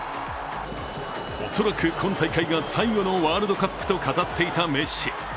恐らく今大会が最後のワールドカップと語っていたメッシ。